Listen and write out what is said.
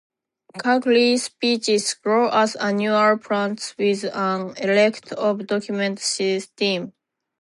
"Cakile" species grow as annual plants with an erect or decumbent stem.